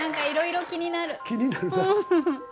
いろいろ気になるなぁ。